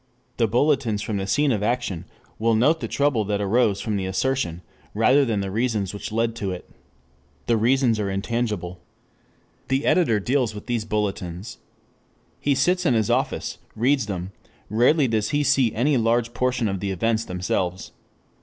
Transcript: The bulletins from the scene of action will note the trouble that arose from the assertion, rather than the reasons which led to it. The reasons are intangible. 4 The editor deals with these bulletins. He sits in his office, reads them, rarely does he see any large portion of the events themselves.